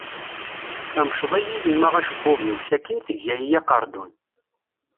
Temceḍ-iyi yemma acebbub-iw, sakin tegga-iyi aqardun.